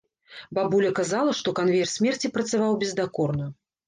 Бабуля казала, што канвеер смерці працаваў бездакорна.